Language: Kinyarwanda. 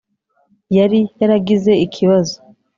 Yari yaragize ikibazo